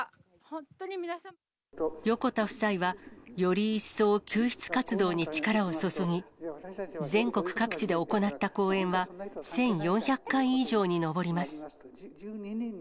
横田夫妻は、より一層、救出活動に力を注ぎ、全国各地で行った講演は１４００回以上に上ります。